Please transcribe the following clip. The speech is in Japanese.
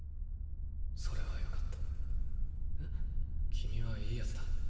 君はいい奴だ。